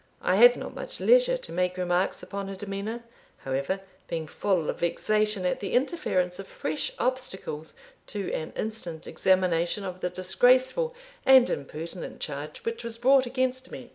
I had not much leisure to make remarks upon her demeanour, however, being full of vexation at the interference of fresh obstacles to an instant examination of the disgraceful and impertinent charge which was brought against me.